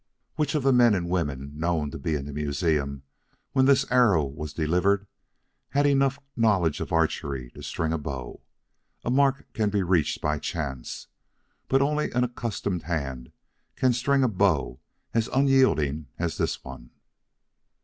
"'Which of the men and women known to be in the museum when this arrow was delivered has enough knowledge of archery to string a bow? A mark can be reached by chance, but only an accustomed hand can string a bow as unyielding as this one.'